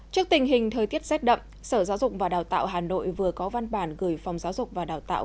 trước tình hình thời tiết rét đậm sở giáo dục và đào tạo hà nội vừa có văn bản gửi phòng giáo dục và đào tạo